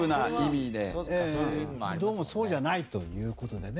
どうもそうじゃないという事でね。